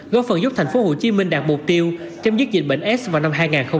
góp phần giúp thành phố hồ chí minh đạt mục tiêu chấm dịch dịch bệnh s vào năm hai nghìn ba mươi